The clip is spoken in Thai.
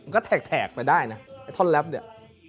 ก็แทกไปได้นะไอ้ท่อนแล็บเนี่ย